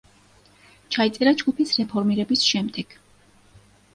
ჩაიწერა ჯგუფის რეფორმირების შემდეგ.